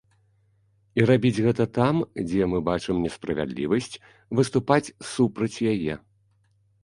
І рабіць гэта там, дзе мы бачым несправядлівасць, выступаць супраць яе.